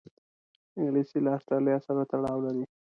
انګلیسي له آسټرالیا سره تړاو لري